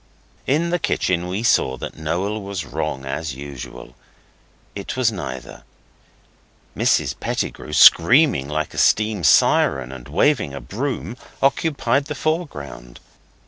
In the kitchen we saw that Noel was wrong as usual. It was neither. Mrs Pettigrew, screaming like a steam siren and waving a broom, occupied the foreground.